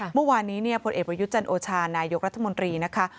เมื่อวานนี้พลเอกประยุทธ์จันโอชานายกรัฐมนตรีนะคะ